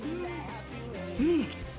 うん。